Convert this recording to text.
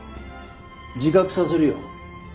自覚させるよ。